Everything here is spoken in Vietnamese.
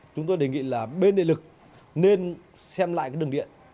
chúng tôi đề nghị là bên địa lực nên xem lại cái đường điện